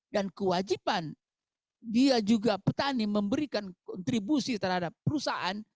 dan kewajiban dia juga petani memberikan kontribusi terhadap perusahaan